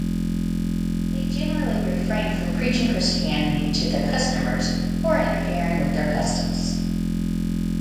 They generally refrained from preaching Christianity to their customers or interfering with their customs.